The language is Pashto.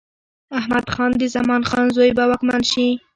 احمد خان د زمان خان زوی به واکمن شي.